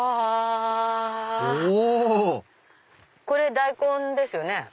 これ大根ですよね。